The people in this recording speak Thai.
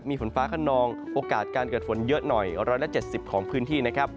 มีฝนฟ้าขนองโอกาสการเกิดฝนเยอะหน่อย๑๗๐ของพื้นที่นะครับ